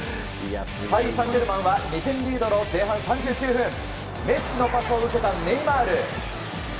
パリ・サンジェルマンは２点リードの前半３９分メッシのパスを受けたネイマール。